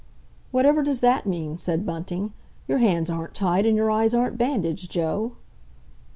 '" "Whatever does that mean?" said Bunting. "Your hands aren't tied, and your eyes aren't bandaged, Joe?"